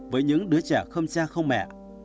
với những đứa trẻ không cha không mẹ